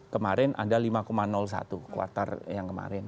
kemarin ada lima satu kuartal yang kemarin